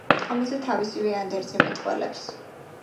ამაზე თავისივე ანდერძი მეტყველებს.